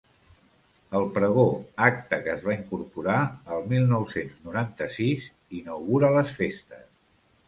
El pregó, acte que es va incorporar el mil nou-cents noranta-sis, inaugura les festes.